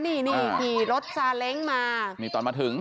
นี่นี่ขี่รถซาเล้งมานี่ตอนมาถึง